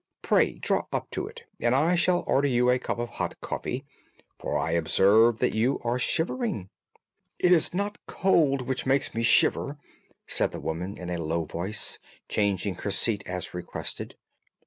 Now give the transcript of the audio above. Pray draw up to it, and I shall order you a cup of hot coffee, for I observe that you are shivering." "It is not cold which makes me shiver," said the woman in a low voice, changing her seat as requested.